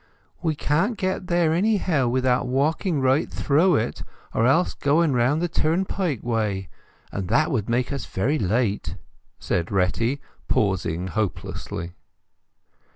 "We can't get there anyhow, without walking right through it, or else going round the Turnpike way; and that would make us so very late!" said Retty, pausing hopelessly.